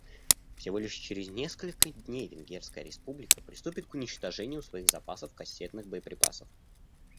Всего лишь через несколько дней Венгерская Республика приступит к уничтожению своих запасов кассетных боеприпасов.